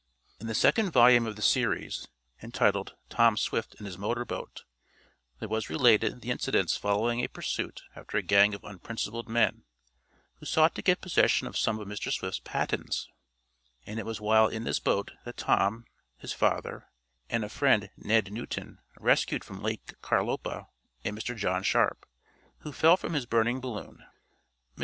In the second volume of the series, entitled "Tom Swift and His Motor Boat," there was related the incidents following a pursuit after a gang of unprincipled men, who sought to get possession of some of Mr. Swift's patents, and it was while in this boat that Tom, his father, and a friend, Ned Newton, rescued from Lake Carlopa a Mr. John Sharp, who fell from his burning balloon. Mr.